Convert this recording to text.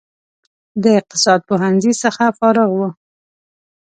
د اقتصاد پوهنځي څخه فارغ و.